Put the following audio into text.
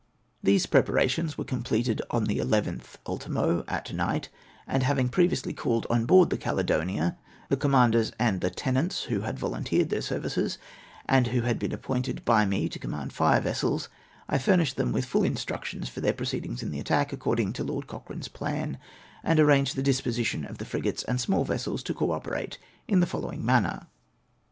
These preparations were completed on the 11th ultimo at night, and having previously called on board the Cale donia the commanders and lieutenants who had volunteered their services, and who had been appointed by me to com mand fire vessels, I furnished them with full instructions for their proceedings in the attack, according to Lord Cochrane's plan, and arranged the disposition of the frigates and small vessels to co operate in the following manner.